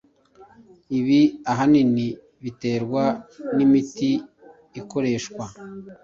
Ibi ahanini biterwa n’imiti ikoreshwa,